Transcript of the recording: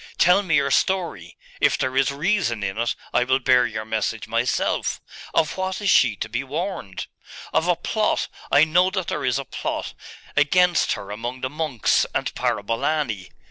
Tell me your story. If there is reason in it, I will bear your message myself. Of what is she to be warned?' 'Of a plot I know that there is a plot against her among the monks and Parabolani.